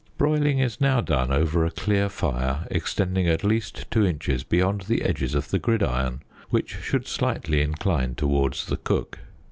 Broiling is now done over a clear fire extending at least 2 in. beyond the edges of the gridiron, which should slightly incline towards the cook.